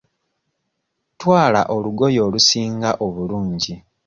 Twala olugoye olusinga obulungi.